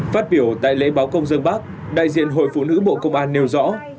phát biểu tại lễ báo công dân bác đại diện hội phụ nữ bộ công an nêu rõ